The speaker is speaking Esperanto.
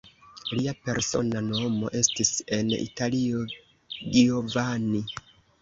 Lia persona nomo estis en Italio Giovanni.